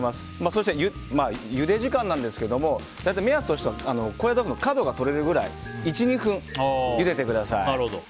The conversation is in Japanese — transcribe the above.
そして、ゆで時間ですが大体、目安としては高野豆腐の角が取れるぐらい１２分ゆでてください。